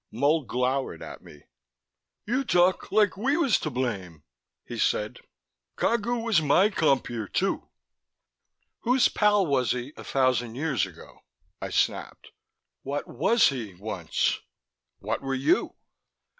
Mull glowered at me. "You talk like we was to blame," he said. "Cagu was my compeer too." "Whose pal was he a thousand years ago?" I snapped. "What was he once? What were you?